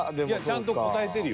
ちゃんと答えてるよ。